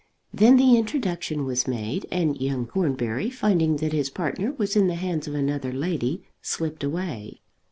Then the introduction was made, and young Cornbury, finding that his partner was in the hands of another lady, slipped away.